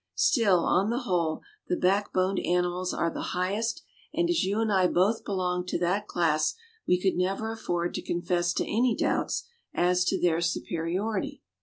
Still, on the whole, the backboned animals are the highest and as you and I both belong to that class we could never afford to confess to any doubts as to their superiority.